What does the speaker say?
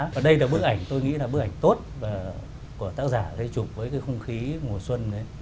và đây là bức ảnh tôi nghĩ là bức ảnh tốt của tác giả lê trục với cái không khí mùa xuân đấy